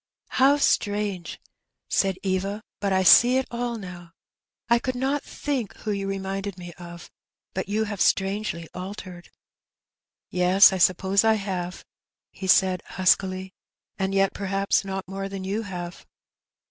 '^ How strange !" said Eva ;" but I see it all now. I could not think who you reminded me of; but you have strangely altered." " Yes, I suppose I have," he said huskily ;^' and yet, perhaps, not more than you have.'